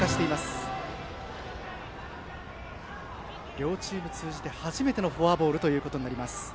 両チーム通じて初めてのフォアボールとなります。